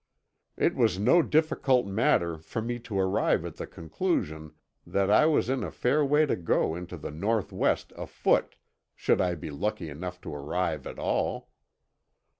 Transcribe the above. It was no difficult matter for me to arrive at the conclusion that I was in a fair way to go into the Northwest afoot—should I be lucky enough to arrive at all.